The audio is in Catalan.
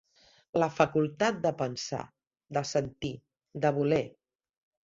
La facultat de pensar, de sentir, de voler.